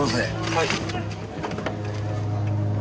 はい。